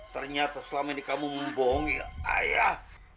ternyata selama ini kamu membonggil ayah